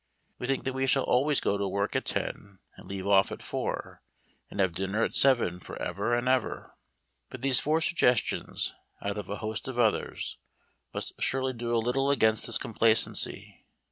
We think that we shall always go to work at ten and leave off at four, and have dinner at seven for ever and ever. But these four suggestions, out of a host of others, must surely do a little against this complacency.